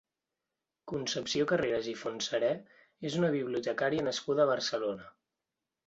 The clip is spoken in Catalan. Concepció Carreras i Fontserè és una bibliotecària nascuda a Barcelona.